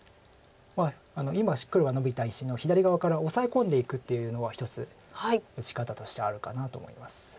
今黒がノビた石の左側からオサエ込んでいくっていうのは一つ打ち方としてはあるかなと思います。